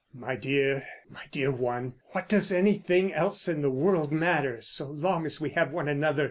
"My dear, my dear one, what does anything else in the world matter so long as we have one another!"